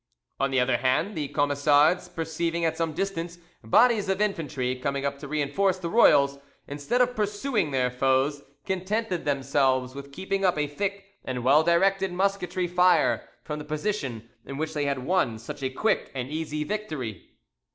On the other hand, the Camisards perceiving at some distance bodies of infantry coming up to reinforce the royals, instead of pursuing their foes, contented themselves with keeping up a thick and well directed musketry fire from the position in which they had won such a quick and easy victory.